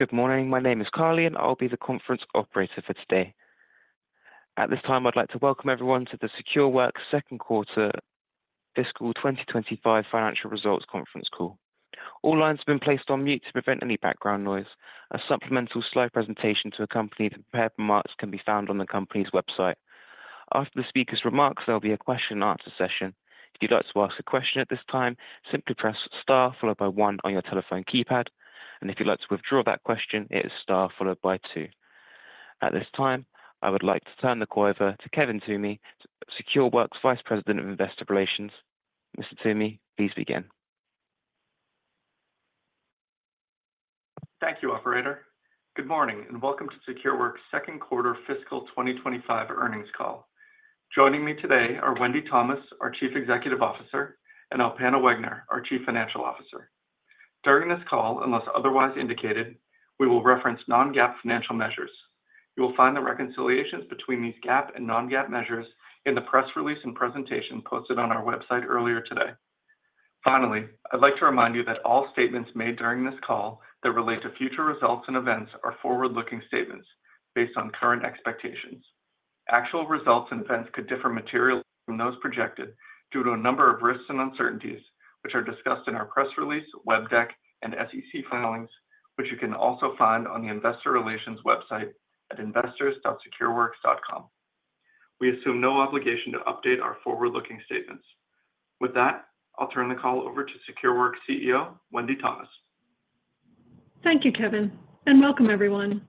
Good morning. My name is Carly, and I'll be the conference operator for today. At this time, I'd like to welcome everyone to the Secureworks second quarter fiscal 2025 financial results conference call. All lines have been placed on mute to prevent any background noise. A supplemental slide presentation to accompany the prepared remarks can be found on the company's website. After the speaker's remarks, there'll be a question and answer session. If you'd like to ask a question at this time, simply press star followed by one on your telephone keypad, and if you'd like to withdraw that question, it is star followed by two. At this time, I would like to turn the call over to Kevin Toomey, Secureworks Vice President of Investor Relations. Mr. Toomey, please begin. Thank you, operator. Good morning, and welcome to Secureworks Second Quarter Fiscal 2025 Earnings Call. Joining me today are Wendy Thomas, our Chief Executive Officer, and Alpana Wegner, our Chief Financial Officer. During this call, unless otherwise indicated, we will reference non-GAAP financial measures. You will find the reconciliations between these GAAP and non-GAAP measures in the press release and presentation posted on our website earlier today. Finally, I'd like to remind you that all statements made during this call that relate to future results and events are forward-looking statements based on current expectations. Actual results and events could differ materially from those projected due to a number of risks and uncertainties, which are discussed in our press release, web deck, and SEC filings, which you can also find on the investor relations website at investors.secureworks.com. We assume no obligation to update our forward-looking statements. With that, I'll turn the call over to Secureworks CEO, Wendy Thomas. Thank you, Kevin, and welcome everyone.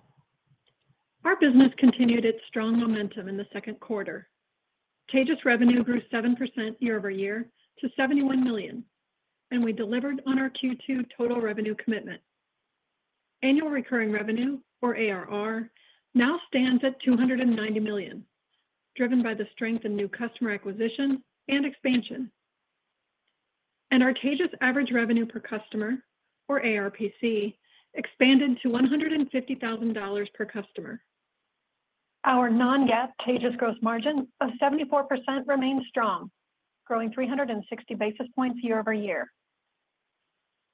Our business continued its strong momentum in the second quarter. Taegis revenue grew 7% year-over-year to $71 million, and we delivered on our Q2 total revenue commitment. Annual recurring revenue, or ARR, now stands at $290 million, driven by the strength in new customer acquisition and expansion, and our Taegis average revenue per customer, or ARPC, expanded to $150,000 per customer. Our non-GAAP Taegis gross margin of 74% remains strong, growing 360 basis points year-over-year,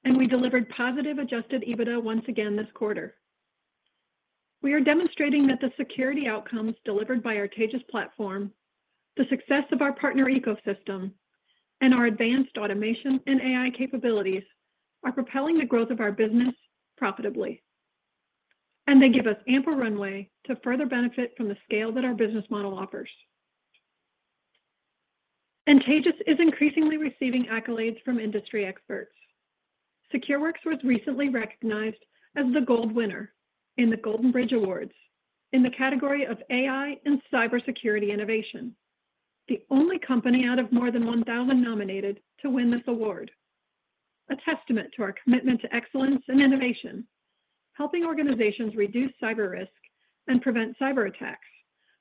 and we delivered positive adjusted EBITDA once again this quarter. We are demonstrating that the security outcomes delivered by our Taegis platform, the success of our partner ecosystem, and our advanced automation and AI capabilities are propelling the growth of our business profitably, and they give us ample runway to further benefit from the scale that our business model offers, and Taegis is increasingly receiving accolades from industry experts. Secureworks was recently recognized as the gold winner in the Golden Bridge Awards in the category of AI and Cybersecurity Innovation, the only company out of more than one thousand nominated to win this award, a testament to our commitment to excellence and innovation, helping organizations reduce cyber risk and prevent cyberattacks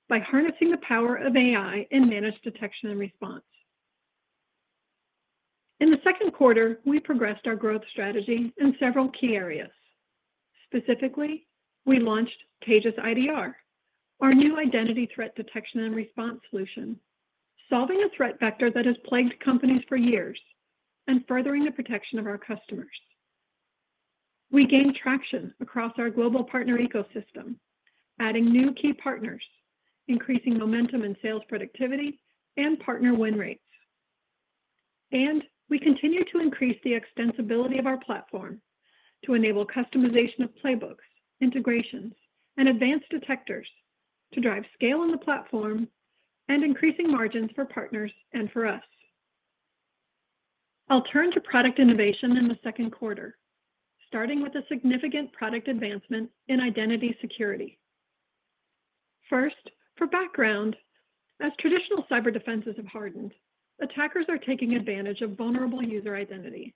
by harnessing the power of AI in managed detection and response. In the second quarter, we progressed our growth strategy in several key areas. Specifically, we launched Taegis IDR, our new identity threat detection and response solution, solving a threat vector that has plagued companies for years and furthering the protection of our customers. We gained traction across our global partner ecosystem, adding new key partners, increasing momentum in sales productivity and partner win rates. And we continue to increase the extensibility of our platform to enable customization of playbooks, integrations, and advanced detectors to drive scale in the platform and increasing margins for partners and for us. I'll turn to product innovation in the second quarter, starting with a significant product advancement in identity security. First, for background, as traditional cyber defenses have hardened, attackers are taking advantage of vulnerable user identity,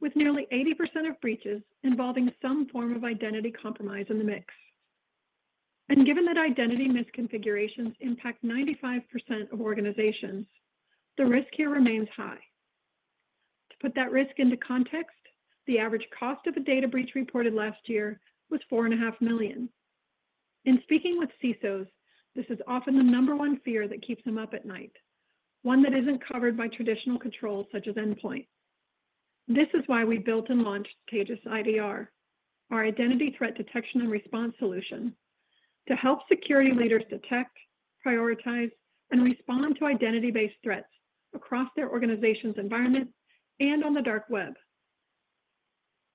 with nearly 80% of breaches involving some form of identity compromise in the mix. And given that identity misconfigurations impact 95% of organizations, the risk here remains high. To put that risk into context, the average cost of a data breach reported last year was $4.5 million. In speaking with CISOs, this is often the number one fear that keeps them up at night, one that isn't covered by traditional controls, such as endpoint. This is why we built and launched Taegis IDR, our identity threat detection and response solution, to help security leaders detect, prioritize, and respond to identity-based threats across their organization's environment and on the dark web.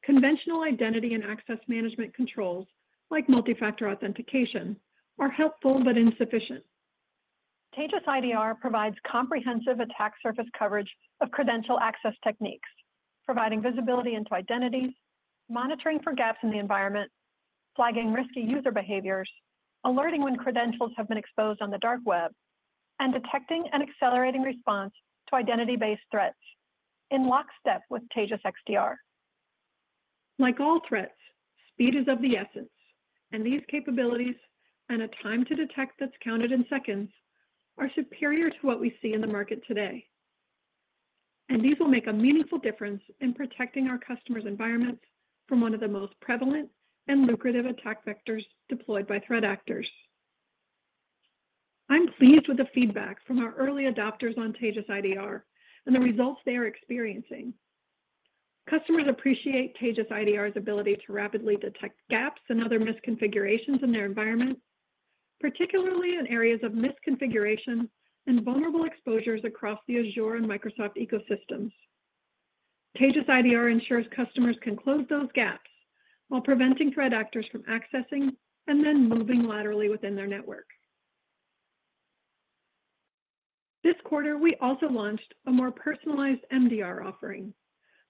Conventional identity and access management controls, like multi-factor authentication, are helpful but insufficient. Taegis IDR provides comprehensive attack surface coverage of credential access techniques, providing visibility into identities, monitoring for gaps in the environment, flagging risky user behaviors, alerting when credentials have been exposed on the dark web, and detecting and accelerating response to identity-based threats in lockstep with Taegis XDR. Like all threats, speed is of the essence, and these capabilities and a time to detect that's counted in seconds are superior to what we see in the market today. And these will make a meaningful difference in protecting our customers' environments from one of the most prevalent and lucrative attack vectors deployed by threat actors. I'm pleased with the feedback from our early adopters on Taegis IDR and the results they are experiencing. Customers appreciate Taegis IDR's ability to rapidly detect gaps and other misconfigurations in their environment, particularly in areas of misconfiguration and vulnerable exposures across the Azure and Microsoft ecosystems. Taegis IDR ensures customers can close those gaps while preventing threat actors from accessing and then moving laterally within their network. This quarter, we also launched a more personalized MDR offering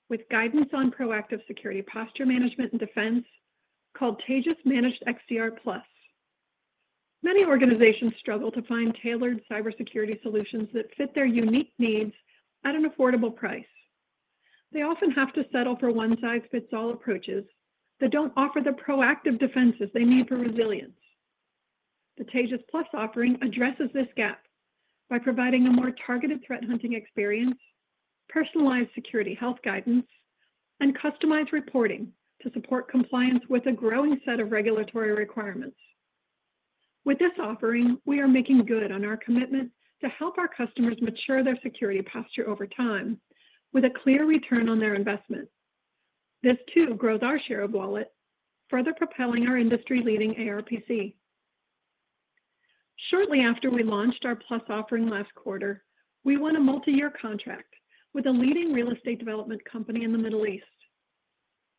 with guidance on proactive security posture management and defense called Taegis Managed XDR Plus. Many organizations struggle to find tailored cybersecurity solutions that fit their unique needs at an affordable price. They often have to settle for one-size-fits-all approaches that don't offer the proactive defenses they need for resilience. The Taegis Plus offering addresses this gap by providing a more targeted threat hunting experience, personalized security health guidance, and customized reporting to support compliance with a growing set of regulatory requirements. With this offering, we are making good on our commitment to help our customers mature their security posture over time with a clear return on their investment. This too, grows our share of wallet, further propelling our industry-leading ARPC. Shortly after we launched our Plus offering last quarter, we won a multi-year contract with a leading real estate development company in the Middle East.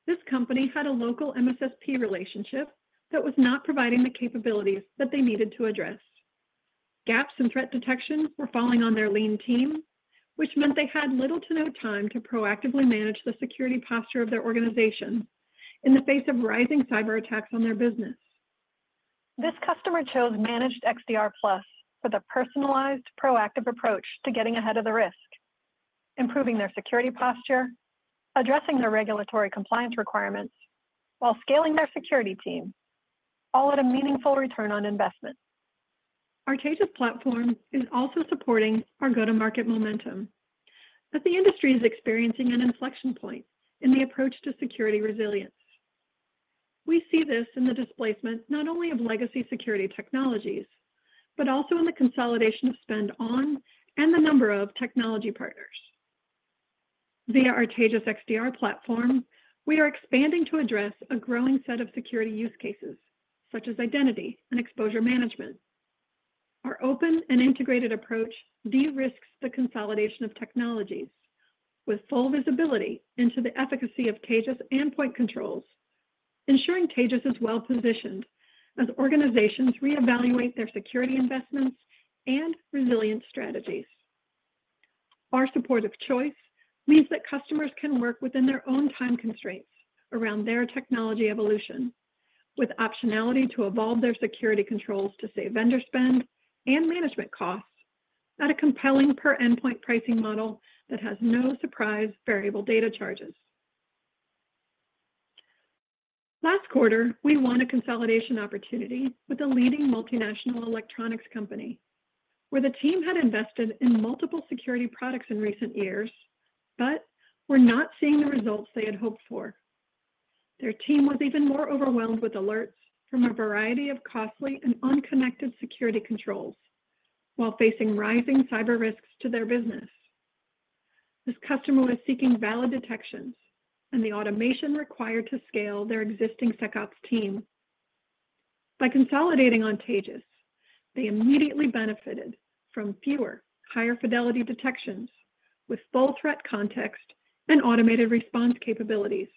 This company had a local MSSP relationship that was not providing the capabilities that they needed to address. Gaps in threat detection were falling on their lean team, which meant they had little to no time to proactively manage the security posture of their organization in the face of rising cyberattacks on their business. This customer chose Managed XDR Plus for the personalized, proactive approach to getting ahead of the risk, improving their security posture, addressing their regulatory compliance requirements, while scaling their security team, all at a meaningful return on investment. Our Taegis platform is also supporting our go-to-market momentum, but the industry is experiencing an inflection point in the approach to security resilience. We see this in the displacement, not only of legacy security technologies, but also in the consolidation of spend on and the number of technology partners. Via our Taegis XDR platform, we are expanding to address a growing set of security use cases, such as identity and exposure management. Our open and integrated approach de-risks the consolidation of technologies with full visibility into the efficacy of Taegis endpoint controls, ensuring Taegis is well positioned as organizations reevaluate their security investments and resilience strategies. Our supportive choice means that customers can work within their own time constraints around their technology evolution, with optionality to evolve their security controls to save vendor spend and management costs at a compelling per endpoint pricing model that has no surprise variable data charges. Last quarter, we won a consolidation opportunity with a leading multinational electronics company, where the team had invested in multiple security products in recent years, but were not seeing the results they had hoped for. Their team was even more overwhelmed with alerts from a variety of costly and unconnected security controls while facing rising cyber risks to their business. This customer was seeking valid detections and the automation required to scale their existing SecOps team. By consolidating on Taegis, they immediately benefited from fewer, higher-fidelity detections with full threat context and automated response capabilities.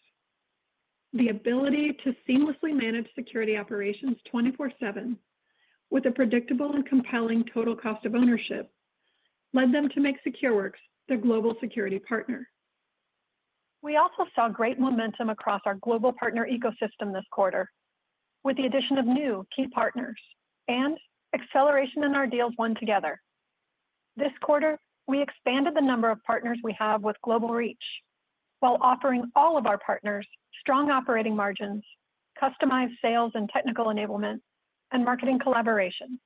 The ability to seamlessly manage security operations 24/7, with a predictable and compelling total cost of ownership, led them to make Secureworks their global security partner. We also saw great momentum across our global partner ecosystem this quarter, with the addition of new key partners and acceleration in our deals won together. This quarter, we expanded the number of partners we have with global reach, while offering all of our partners strong operating margins, customized sales and technical enablement, and marketing collaboration.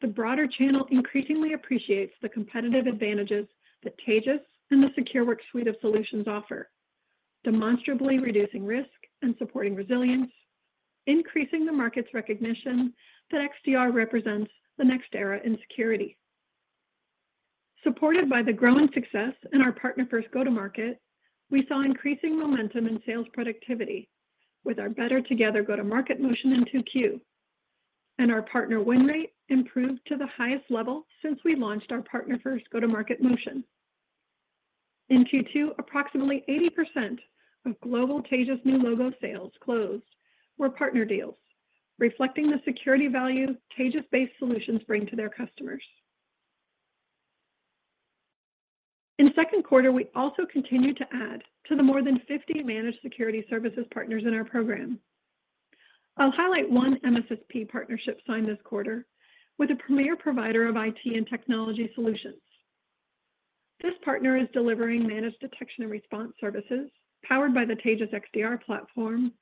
The broader channel increasingly appreciates the competitive advantages that Taegis and the Secureworks suite of solutions offer, demonstrably reducing risk and supporting resilience, increasing the market's recognition that XDR represents the next era in security. Supported by the growing success in our partner-first go-to-market, we saw increasing momentum in sales productivity with our better together go-to-market motion in Q2, and our partner win rate improved to the highest level since we launched our partner-first go-to-market motion. In Q2, approximately 80% of global Taegis new logo sales closed were partner deals, reflecting the security value Taegis-based solutions bring to their customers. In the second quarter, we also continued to add to the more than 50 managed security services partners in our program. I'll highlight one MSSP partnership signed this quarter with a premier provider of IT and technology solutions. This partner is delivering managed detection and response services, powered by the Taegis XDR platform,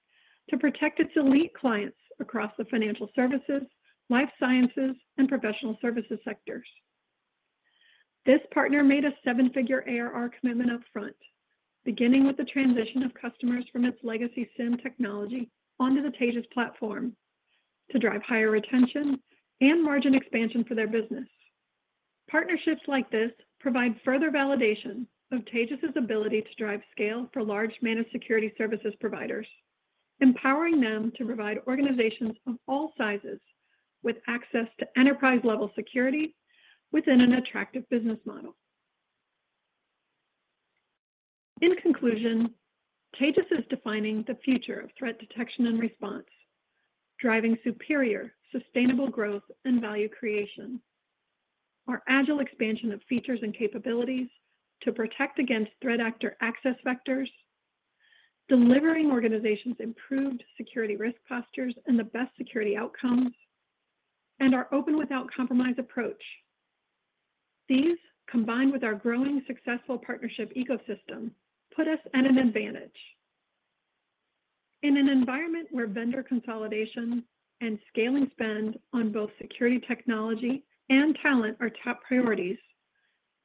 to protect its elite clients across the financial services, life sciences, and professional services sectors. This partner made a seven-figure ARR commitment upfront, beginning with the transition of customers from its legacy SIEM technology onto the Taegis platform to drive higher retention and margin expansion for their business. Partnerships like this provide further validation of Taegis' ability to drive scale for large managed security services providers, empowering them to provide organizations of all sizes with access to enterprise-level security within an attractive business model. In conclusion, Taegis is defining the future of threat detection and response, driving superior, sustainable growth and value creation. Our agile expansion of features and capabilities to protect against threat actor access vectors, delivering organizations improved security risk postures and the best security outcomes, and our open without compromise approach. These, combined with our growing successful partnership ecosystem, put us at an advantage. In an environment where vendor consolidation and scaling spend on both security technology and talent are top priorities,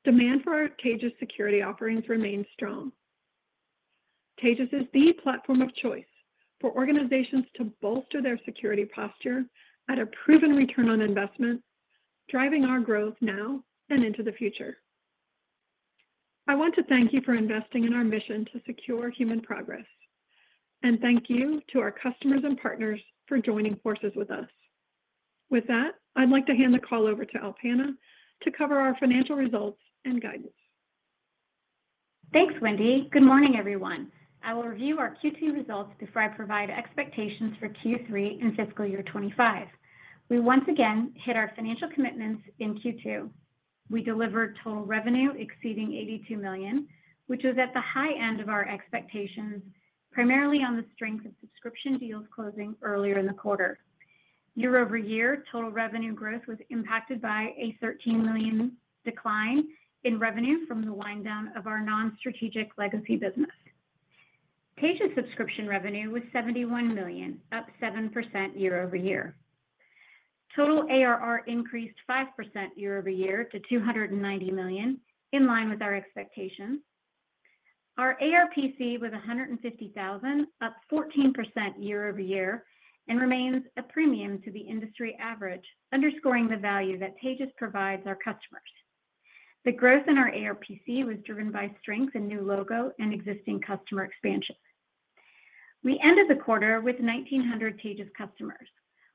demand for our Taegis security offerings remains strong. Taegis is the platform of choice for organizations to bolster their security posture at a proven return on investment, driving our growth now and into the future. I want to thank you for investing in our mission to secure human progress, and thank you to our customers and partners for joining forces with us. With that, I'd like to hand the call over to Alpana to cover our financial results and guidance. Thanks, Wendy. Good morning, everyone. I will review our Q2 results before I provide expectations for Q3 and fiscal year 2025. We once again hit our financial commitments in Q2. We delivered total revenue exceeding $82 million, which was at the high end of our expectations, primarily on the strength of subscription deals closing earlier in the quarter. Year-over-year, total revenue growth was impacted by a $13 million decline in revenue from the wind down of our non-strategic legacy business. Taegis subscription revenue was $71 million, up 7% year-over-year. Total ARR increased 5% year-over-year to $290 million, in line with our expectations. Our ARPC was $150,000, up 14% year-over-year, and remains a premium to the industry average, underscoring the value that Taegis provides our customers. The growth in our ARPC was driven by strength in new logo and existing customer expansion. We ended the quarter with 1,900 Taegis customers.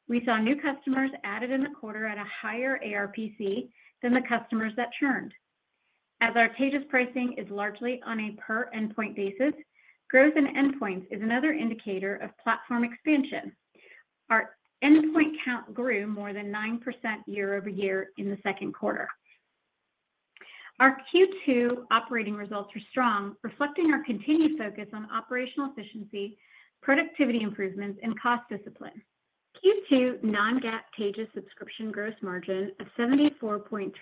We saw new customers added in the quarter at a higher ARPC than the customers that churned. As our Taegis pricing is largely on a per-endpoint basis, growth in endpoints is another indicator of platform expansion. Our endpoint count grew more than 9% year-over-year in the second quarter. Our Q2 operating results were strong, reflecting our continued focus on operational efficiency, productivity improvements, and cost discipline. Q2 non-GAAP Taegis subscription gross margin of 74.3%,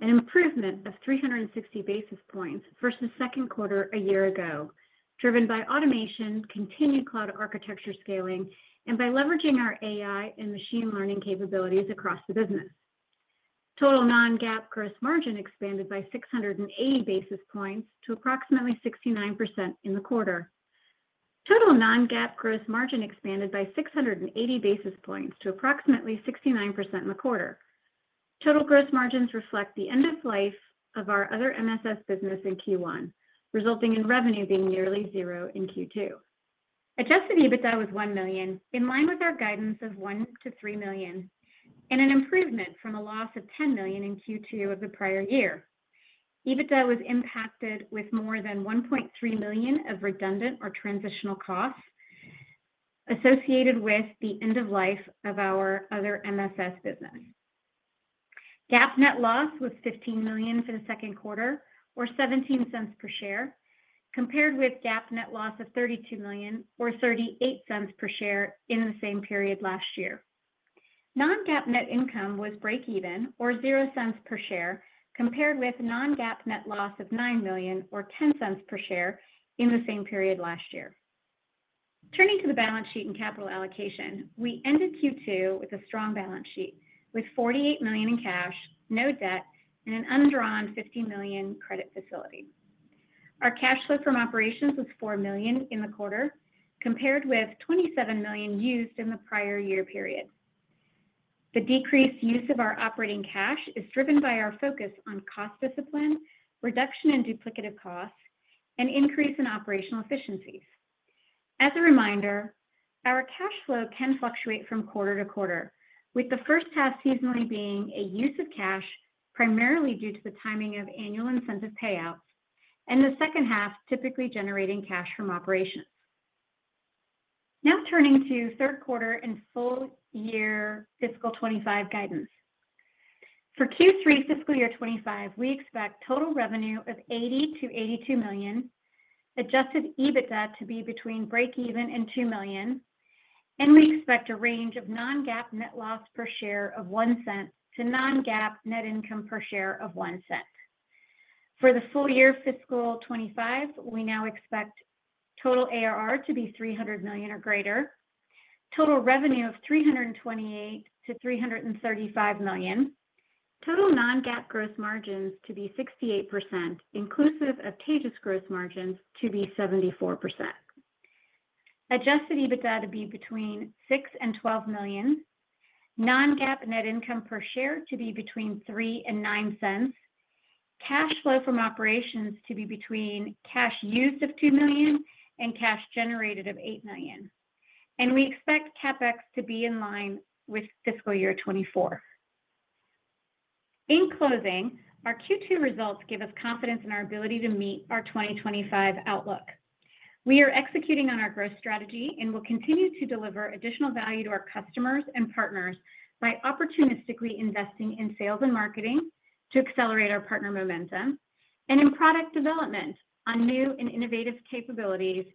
an improvement of 360 basis points versus second quarter a year ago, driven by automation, continued cloud architecture scaling, and by leveraging our AI and machine learning capabilities across the business. Total non-GAAP gross margin expanded by 680 basis points to approximately 69% in the quarter. Total gross margins reflect the end of life of our other MSS business in Q1, resulting in revenue being nearly zero in Q2. Adjusted EBITDA was $1 million, in line with our guidance of $1 million-$3 million, and an improvement from a loss of $10 million in Q2 of the prior year. EBITDA was impacted with more than $1.3 million of redundant or transitional costs associated with the end of life of our other MSS business. GAAP net loss was $15 million for the second quarter, or $0.17 per share, compared with GAAP net loss of $32 million or $0.38 per share in the same period last year. Non-GAAP net income was breakeven or $0.00 per share, compared with non-GAAP net loss of $9 million or $0.10 per share in the same period last year. Turning to the balance sheet and capital allocation, we ended Q2 with a strong balance sheet, with $48 million in cash, no debt, and an undrawn $50 million credit facility. Our cash flow from operations was $4 million in the quarter, compared with $27 million used in the prior year period. The decreased use of our operating cash is driven by our focus on cost discipline, reduction in duplicative costs, and increase in operational efficiencies. As a reminder, our cash flow can fluctuate from quarter to quarter, with the H1 seasonally being a use of cash, primarily due to the timing of annual incentive payouts, and the H2 typically generating cash from operations. Now turning to third quarter and full year fiscal 2025 guidance. For Q3 fiscal year 2025, we expect total revenue of $80-$82 million, adjusted EBITDA to be between breakeven and $2 million, and we expect a range of non-GAAP net loss per share of $0.01 to non-GAAP net income per share of $0.01. For the full year fiscal 2025, we now expect total ARR to be $300 million or greater, total revenue of $328-$335 million, total non-GAAP gross margins to be 68%, inclusive of Taegis gross margins to be 74%. Adjusted EBITDA to be between $6 million and $12 million, non-GAAP net income per share to be between $0.03 and $0.09, cash flow from operations to be between cash used of $2 million and cash generated of $8 million. We expect CapEx to be in line with fiscal year 2024. In closing, our Q2 results give us confidence in our ability to meet our 2025 outlook. We are executing on our growth strategy and will continue to deliver additional value to our customers and partners by opportunistically investing in sales and marketing to accelerate our partner momentum, and in product development on new and innovative capabilities,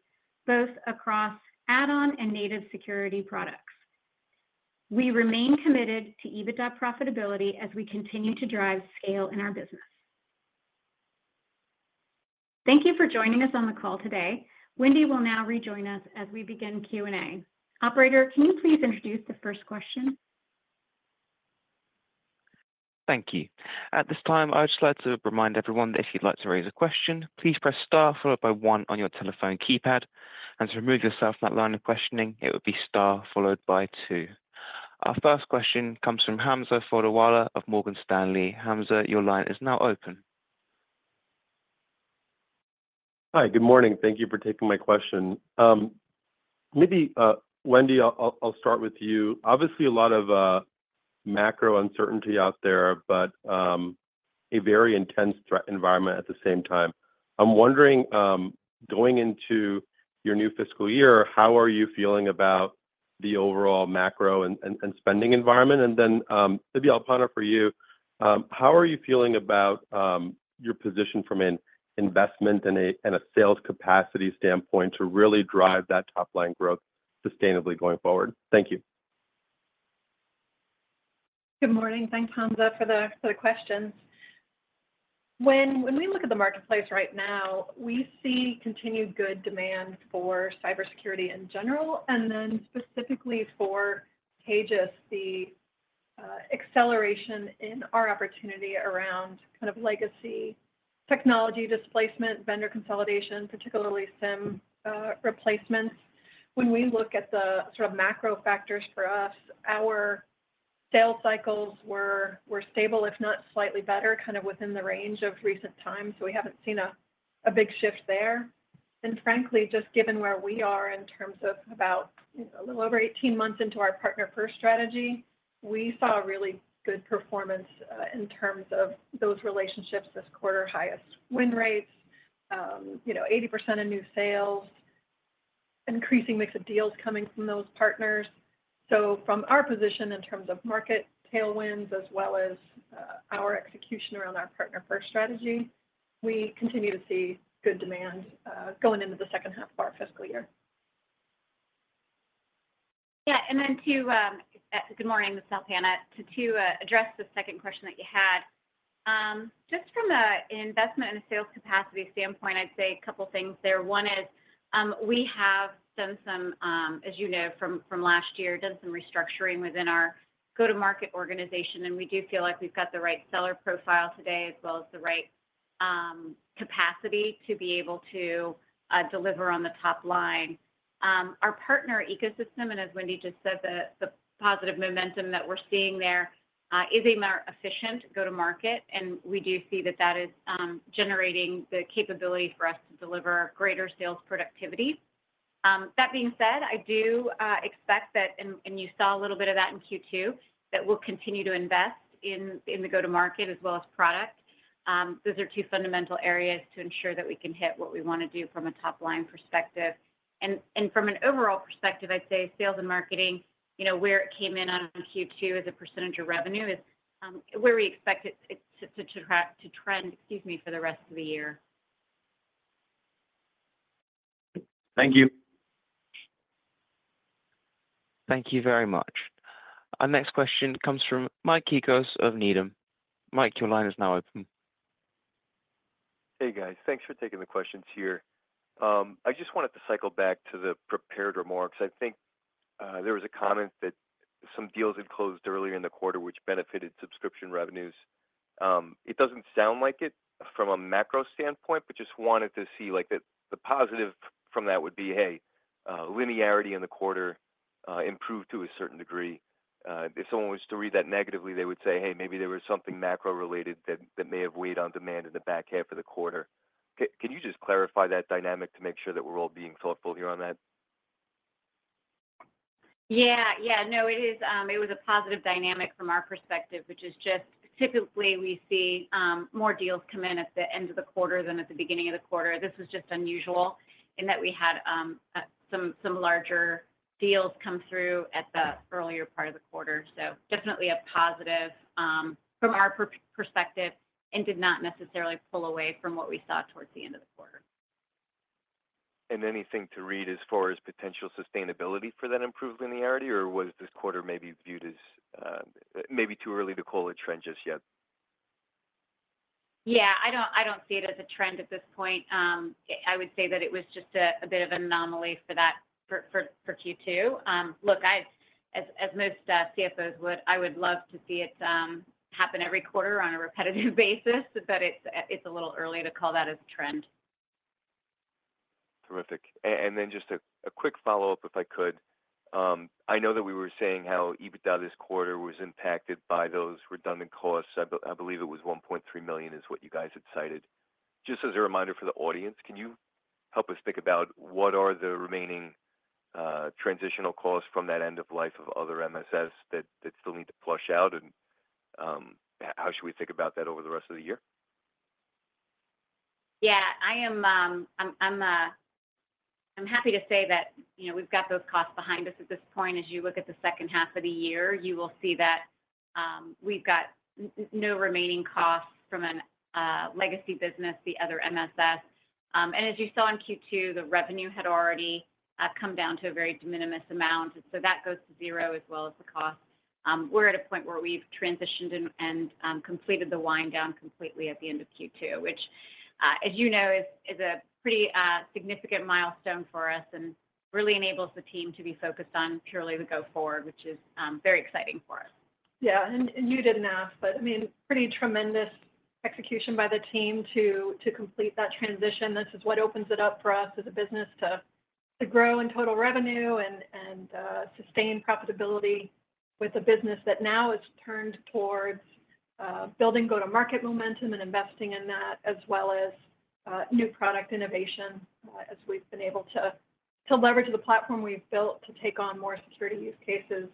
both across add-on and native security products. We remain committed to EBITDA profitability as we continue to drive scale in our business. Thank you for joining us on the call today. Wendy will now rejoin us as we begin Q&A. Operator, can you please introduce the first question? Thank you. At this time, I'd just like to remind everyone that if you'd like to raise a question, please press star, followed by one on your telephone keypad, and to remove yourself from that line of questioning, it would be star followed by two. Our first question comes from Hamza Fodderwala of Morgan Stanley. Hamza, your line is now open. Hi, good morning. Thank you for taking my question. Maybe, Wendy, I'll start with you. Obviously, a lot of macro uncertainty out there, but a very intense threat environment at the same time. I'm wondering, going into your new fiscal year, how are you feeling about the overall macro and spending environment? And then, maybe Alpana, for you, how are you feeling about your position from an investment and a sales capacity standpoint to really drive that top-line growth sustainably going forward? Thank you. Good morning. Thanks, Hamza, for the questions. When we look at the marketplace right now, we see continued good demand for cybersecurity in general, and then specifically for Taegis, the acceleration in our opportunity around legacy technology displacement, vendor consolidation, particularly SIEM replacements. When we look at the sort of macro factors for us, our sales cycles were stable, if not slightly better, kind of within the range of recent times. So we haven't seen a big shift there, and frankly, just given where we are in terms of about a little over eighteen months into our partner first strategy, we saw a really good performance in terms of those relationships this quarter, highest win rates, you know, 80% of new sales, increasing mix of deals coming from those partners. So from our position in terms of market tailwinds as well as, our execution around our partner first strategy, we continue to see good demand, going into the H2 of our fiscal year. Yeah, and then to, good morning, this is Alpana. To address the second question that you had, just from a investment and a sales capacity standpoint, I'd say a couple of things there. One is, we have done some, as you know, from last year, done some restructuring within our go-to-market organization, and we do feel like we've got the right seller profile today, as well as the right capacity to be able to deliver on the top line. Our partner ecosystem, and as Wendy just said, the positive momentum that we're seeing there, is a more efficient go-to market, and we do see that that is generating the capability for us to deliver greater sales productivity. That being said, I do expect that, and you saw a little bit of that in Q2, that we'll continue to invest in the go-to market as well as product. Those are two fundamental areas to ensure that we can hit what we want to do from a top line perspective, and from an overall perspective, I'd say sales and marketing, you know, where it came in on Q2 as a percentage of revenue is where we expect it to trend, excuse me, for the rest of the year. Thank you. Thank you very much. Our next question comes from Mike Cikos of Needham. Mike, your line is now open. Hey, guys. Thanks for taking the questions here. I just wanted to cycle back to the prepared remarks. I think there was a comment that some deals had closed earlier in the quarter, which benefited subscription revenues. It doesn't sound like it from a macro standpoint, but just wanted to see, like, the positive from that would be, hey, linearity in the quarter improved to a certain degree. If someone was to read that negatively, they would say, "Hey, maybe there was something macro-related that may have weighed on demand in the back half of the quarter." Can you just clarify that dynamic to make sure that we're all being thoughtful here on that? Yeah. Yeah. No, it is, it was a positive dynamic from our perspective, which is just typically we see more deals come in at the end of the quarter than at the beginning of the quarter. This was just unusual in that we had some larger deals come through at the earlier part of the quarter. So definitely a positive from our perspective and did not necessarily pull away from what we saw towards the end of the quarter. And anything to read as far as potential sustainability for that improved linearity, or was this quarter maybe viewed as, maybe too early to call a trend just yet? Yeah, I don't, I don't see it as a trend at this point. I would say that it was just a bit of an anomaly for that Q2. Look, I, as most CFOs would, I would love to see it happen every quarter on a repetitive basis, but it's a little early to call that as a trend. Terrific. And then just a quick follow-up, if I could. I know that we were saying how EBITDA this quarter was impacted by those redundant costs. I believe it was $1.3 million is what you guys had cited. Just as a reminder for the audience, can you help us think about what are the remaining transitional costs from that end of life of other MSS that still need to flush out, and how should we think about that over the rest of the year? Yeah, I am. I'm happy to say that, you know, we've got those costs behind us at this point. As you look at the H2 of the year, you will see that we've got no remaining costs from a legacy business, the other MSS. And as you saw in Q2, the revenue had already come down to a very de minimis amount, so that goes to zero as well as the cost. We're at a point where we've transitioned and completed the wind down completely at the end of Q2, which, as you know, is a pretty significant milestone for us and really enables the team to be focused on purely the go forward, which is very exciting for us. Yeah, and you didn't ask, but I mean, pretty tremendous execution by the team to complete that transition. This is what opens it up for us as a business to grow in total revenue and sustain profitability with a business that now is turned towards building go-to-market momentum and investing in that, as well as new product innovation, as we've been able to leverage the platform we've built to take on more security use cases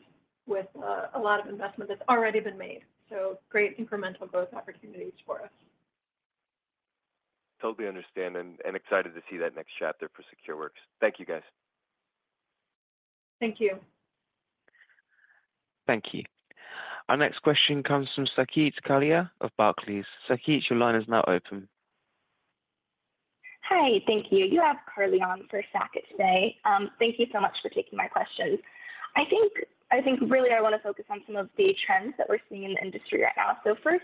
with a lot of investment that's already been made. So great incremental growth opportunities for us. Totally understand, and excited to see that next chapter for Secureworks. Thank you, guys. Thank you. Thank you. Our next question comes from Saket Kalia of Barclays. Saket, your line is now open. Hi. Thank you. You have Carly on for Saket today. Thank you so much for taking my questions. I think really I wanna focus on some of the trends that we're seeing in the industry right now. So first,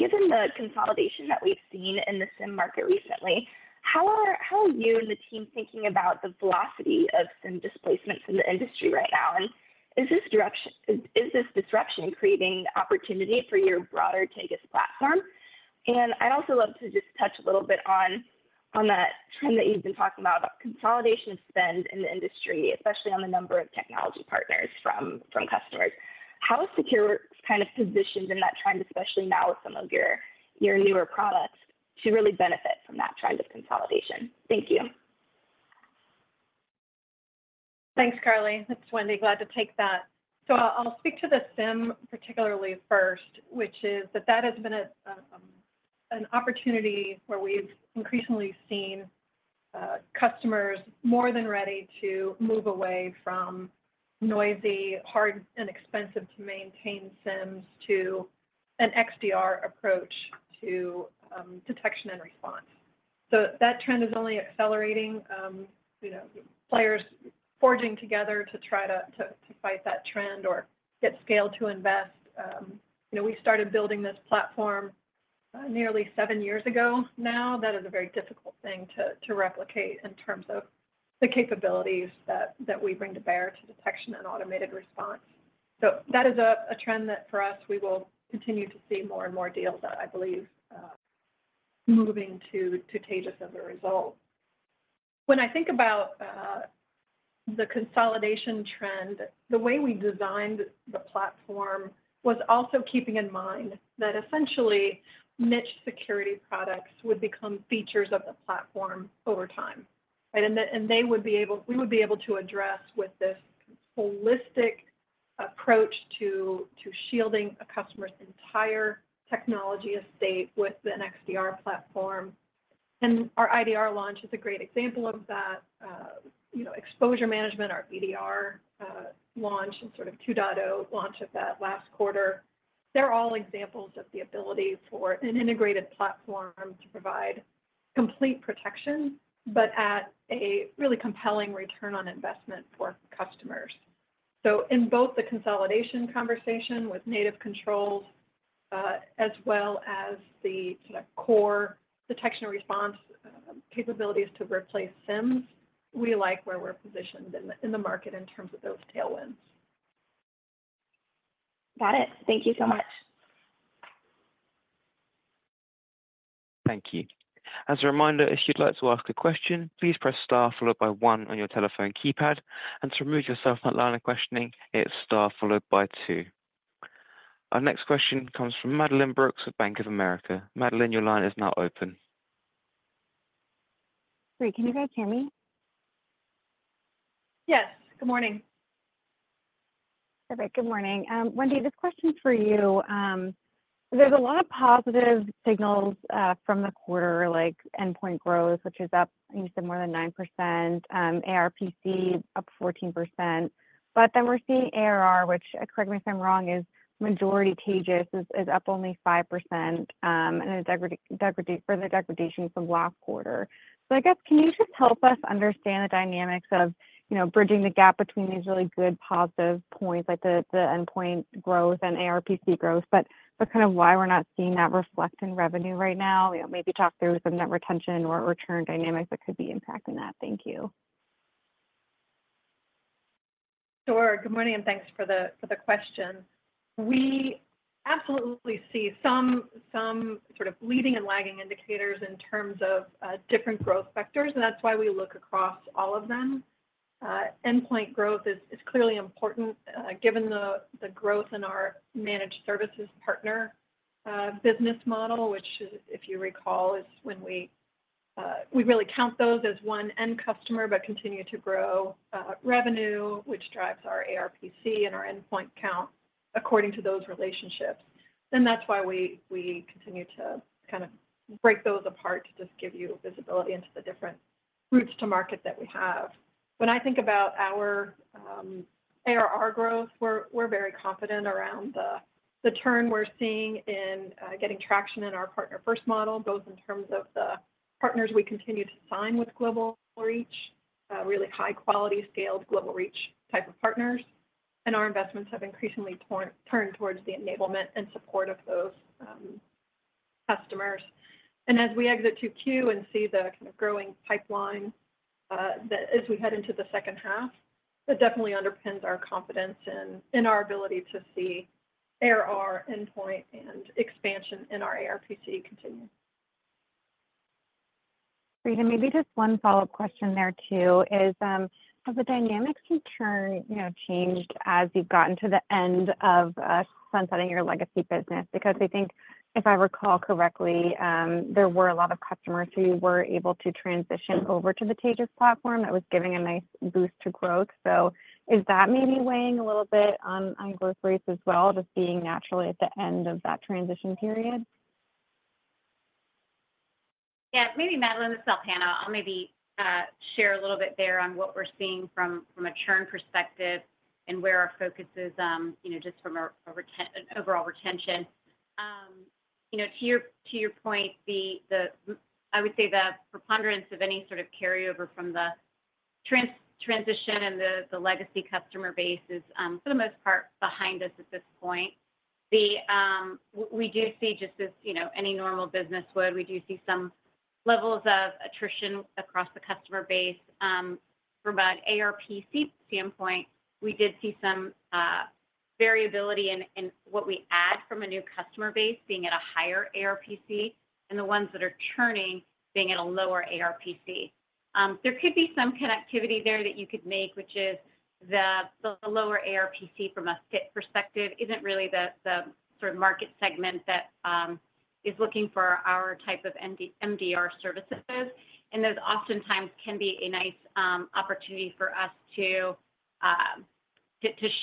given the consolidation that we've seen in the SIEM market recently, how are you and the team thinking about the velocity of SIEM displacement in the industry right now? And is this disruption creating opportunity for your broader Taegis platform? And I'd also love to just touch a little bit on that trend that you've been talking about, about consolidation spend in the industry, especially on the number of technology partners from customers. How is SecureWorks kind of positioned in that trend, especially now with some of your newer products, to really benefit from that trend of consolidation? Thank you. Thanks, Carly. It's Wendy. Glad to take that. So I'll speak to the SIEM, particularly first, which is that that has been an opportunity where we've increasingly seen customers more than ready to move away from noisy, hard, and expensive to maintain SIEMs to an XDR approach to detection and response. So that trend is only accelerating. You know, players forging together to try to fight that trend or get scale to invest. You know, we started building this platform nearly seven years ago now. That is a very difficult thing to replicate in terms of the capabilities that we bring to bear to detection and automated response. So that is a trend that, for us, we will continue to see more and more deals, I believe, moving to Taegis as a result. When I think about the consolidation trend, the way we designed the platform was also keeping in mind that essentially, niche security products would become features of the platform over time, right? And they would be able to address with this holistic approach to shielding a customer's entire technology estate with an XDR platform. And our IDR launch is a great example of that. You know, exposure management, our EDR launch, and sort of 2.0 launch of that last quarter. They're all examples of the ability for an integrated platform to provide complete protection, but at a really compelling return on investment for customers. So in both the consolidation conversation with native controls, as well as the sort of core detection and response capabilities to replace SIEMs, we like where we're positioned in the market in terms of those tailwinds. Got it. Thank you so much. Thank you. As a reminder, if you'd like to ask a question, please press star followed by one on your telephone keypad. And to remove yourself from that line of questioning, it's star followed by two. Our next question comes from Madeline Brooks of Bank of America. Madeline, your line is now open. Great. Can you guys hear me? Yes. Good morning. Perfect. Good morning. Wendy, this question is for you. There's a lot of positive signals from the quarter, like endpoint growth, which is up, you said, more than 9%. ARPC up 14%. But then we're seeing ARR, which, correct me if I'm wrong, is majority Taegis, up only 5%, and a further degradation from last quarter. I guess, can you just help us understand the dynamics of, you know, bridging the gap between these really good positive points, like the endpoint growth and ARPC growth, but kind of why we're not seeing that reflect in revenue right now? You know, maybe talk through some net retention or return dynamics that could be impacting that. Thank you. Sure. Good morning, and thanks for the question. We absolutely see some sort of leading and lagging indicators in terms of different growth vectors, and that's why we look across all of them. Endpoint growth is clearly important, given the growth in our managed services partner business model, which is, if you recall, when we really count those as one end customer, but continue to grow revenue, which drives our ARPC and our endpoint count according to those relationships. And that's why we continue to kind of break those apart to just give you visibility into the different routes to market that we have. When I think about our ARR growth, we're very confident around the turn we're seeing in getting traction in our partner first model, both in terms of the partners we continue to sign with global reach, really high quality, scaled global reach type of partners. And our investments have increasingly turned towards the enablement and support of those customers. And as we exit Q2 and see the kind of growing pipeline, as we head into the H2, it definitely underpins our confidence in our ability to see ARR, endpoint, and expansion in our ARPC continue. Right, maybe just one follow-up question there, too, is, have the dynamics to churn, you know, changed as you've gotten to the end of sunsetting your legacy business? Because I think if I recall correctly, there were a lot of customers who were able to transition over to the Taegis platform. That was giving a nice boost to growth. So is that maybe weighing a little bit on growth rates as well, just being naturally at the end of that transition period? Yeah, maybe Madeline, this is Alpana. I'll maybe share a little bit there on what we're seeing from a churn perspective and where our focus is, you know, just from our overall retention. You know, to your point, I would say the preponderance of any sort of carryover from the transition and the legacy customer base is, for the most part, behind us at this point. We do see just as, you know, any normal business would, we do see some levels of attrition across the customer base. From an ARPC standpoint, we did see some variability in what we add from a new customer base being at a higher ARPC, and the ones that are churning being at a lower ARPC. There could be some connectivity there that you could make, which is the lower ARPC from a fit perspective isn't really the sort of market segment that is looking for our type of MDR services. And those oftentimes can be a nice opportunity for us to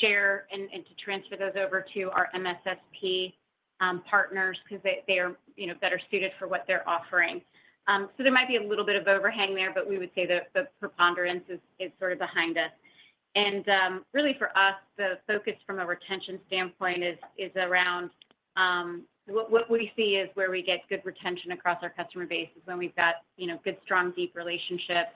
share and to transfer those over to our MSSP partners, 'cause they are, you know, better suited for what they're offering. So there might be a little bit of overhang there, but we would say the preponderance is sort of behind us. And really for us, the focus from a retention standpoint is around. What we see is where we get good retention across our customer base is when we've got, you know, good, strong, deep relationships.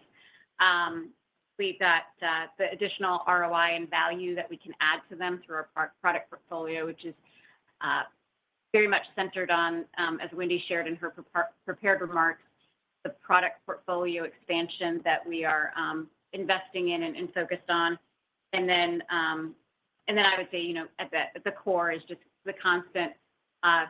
We've got the additional ROI and value that we can add to them through our product portfolio, which is very much centered on, as Wendy shared in her prepared remarks, the product portfolio expansion that we are investing in and focused on. And then I would say, you know, at the core is just the constant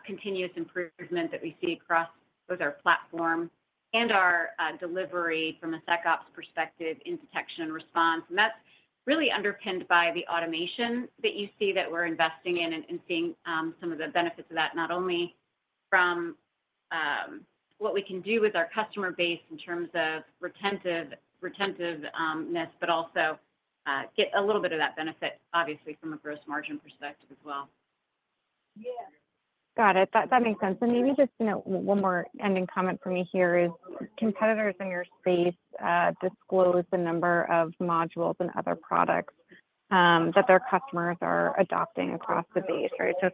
continuous improvement that we see across both our platform and our delivery from a SecOps perspective in detection and response. And that's really underpinned by the automation that you see that we're investing in and seeing some of the benefits of that, not only from what we can do with our customer base in terms of retentiveness, but also get a little bit of that benefit, obviously, from a gross margin perspective as well. Got it. That makes sense. And maybe just, you know, one more ending comment from me here is, competitors in your space disclose the number of modules and other products that their customers are adopting across the base, right? So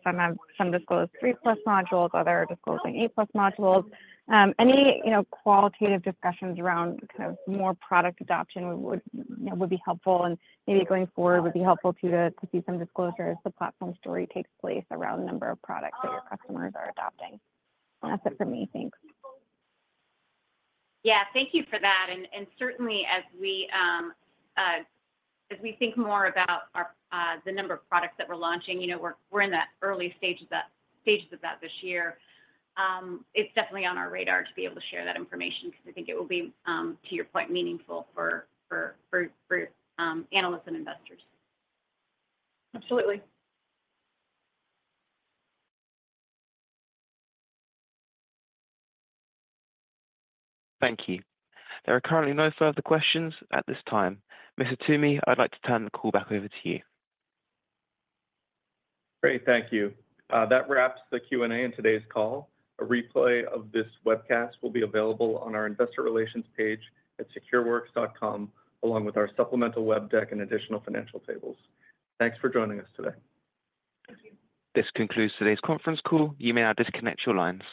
some disclose 3+ modules, others are disclosing 8+ modules. Any, you know, qualitative discussions around kind of more product adoption would, you know, be helpful, and maybe going forward, would be helpful to see some disclosure as the platform story takes place around the number of products that your customers are adopting. That's it for me. Thanks. Yeah. Thank you for that. And certainly as we think more about the number of products that we're launching, you know, we're in the early stages of that this year. It's definitely on our radar to be able to share that information because I think it will be to your point, meaningful for analysts and investors. Absolutely. Thank you. There are currently no further questions at this time. Mr. Toomey, I'd like to turn the call back over to you. Great. Thank you. That wraps the Q&A in today's call. A replay of this webcast will be available on our investor relations page at secureworks.com, along with our supplemental web deck and additional financial tables. Thanks for joining us today. This concludes today's conference call. You may now disconnect your lines.